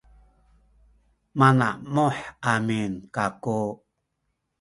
manamuh amin kaku